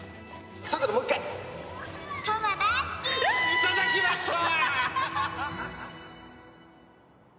いただきました！